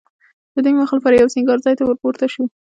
دې موخې لپاره یوه سینګار ځای ته ورپورته شوه.